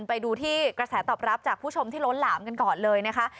ไปดูที่กระแสตอบรับจากผู้ชมที่ล้นหลามกันก่อนเลยนะคะ